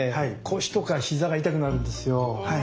腰とか膝が痛くなるんですよ。